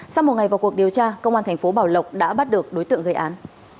sau một ngày vào cuộc điều tra công an thành phố bảo lộc đã bắt được đối tượng gây án